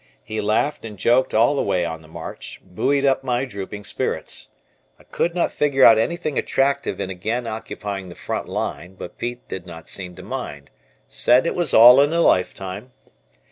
He laughed and joked all the way on the march, buoyed up my drooping spirits. I could not figure out anything attractive in again occupying the front line, but Pete did not seem to mind, said it was all in a lifetime.